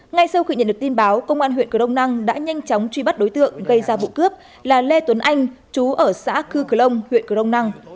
ngay sau khi nhận được tin báo công an huyện cửa đông năng đã nhanh chóng truy bắt đối tượng gây ra vụ cướp là lê tuấn anh chú ở xã cư cửa lông huyện cửa đông năng